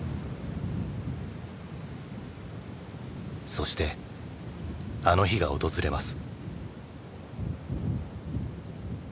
そしてあの日が訪れます。